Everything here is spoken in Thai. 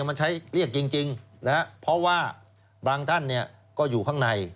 มันใช้เรียกจริงเพราะว่าบางท่านก็อยู่ข้างใน